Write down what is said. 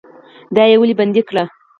دا یې ولې بندي کړي؟